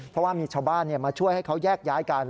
เพราะว่ามีชาวบ้านมาช่วยให้เขาแยกย้ายกัน